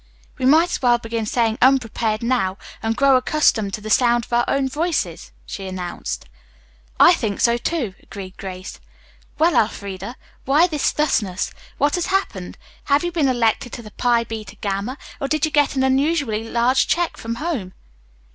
"We might as well begin saying 'unprepared' now, and grow accustomed to the sound of our own voices," she announced. "I think so, too," agreed Grace. "Well, Elfreda, why this thusness? What has happened? Have you been elected to the Pi Beta Gamma, or did you get an unusually large check from home?"